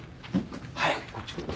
早くこっち来い。